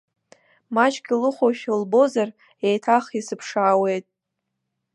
Маҷк илыхәошәа лбозар, еиҭах исыԥшаауеит.